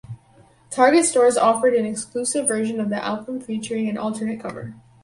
Target stores offered an exclusive version of the album featuring an alternate cover.